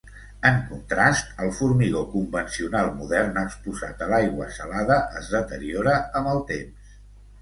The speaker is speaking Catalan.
En contrast, el formigó convencional modern exposat a l'aigua salada es deteriora amb el temps.